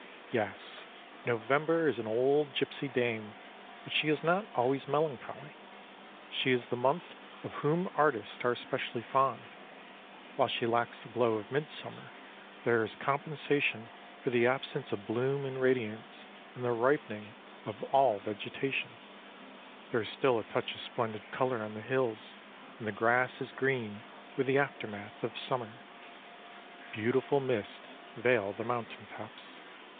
Yes, November is an old gypsy dame, but she is not always melancholy. She is the month of whom artists are especially fond. While she lacks the glow of midsummer, there is compensation for the absence of bloom and radiance in the ripening of all vegetation; there is still a touch of splendid color on the hills, and the grass is green with the aftermath of summer. Beautiful mists veil the mountain tops.